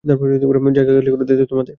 জায়গা খালি করার দায়িত্ব তোমাদের।